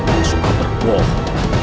yang suka berpulau